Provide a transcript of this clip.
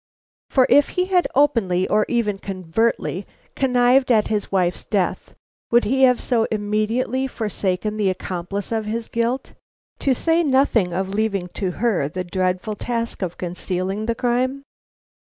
For if he had openly or even covertly connived at his wife's death, would he have so immediately forsaken the accomplice of his guilt, to say nothing of leaving to her the dreadful task of concealing the crime?